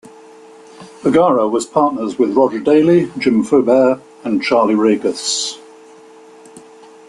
Vergara was partners with Roger Daley, Jim Fobair and Charlie Ragus.